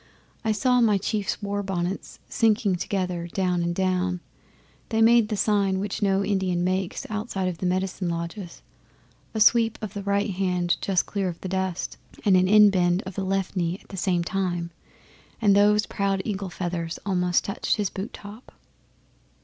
I saw my chiefs' war bonnets sinking together, down and down. Then they made the sign which no Indian makes outside of the Medicine Lodges a sweep of the right hand just clear of the dust and an inbend of the left knee at the same time, and those proud eagle feathers almost touched his boot top.